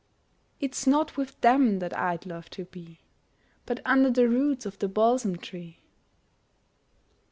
It's not with them that I'd love to be, But under the roots of the balsam tree.